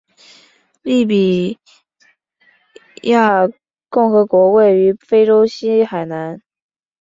利比里亚共和国位于非洲西海岸。